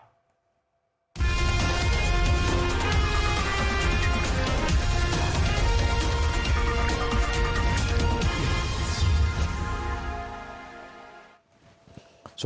สวัสดีครับ